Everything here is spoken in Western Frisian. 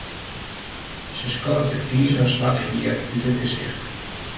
Se skoddet it tizige swarte hier út it gesicht.